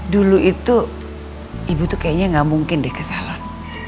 dulu itu ibu tuh kayaknya enggak mungkin deh ke salon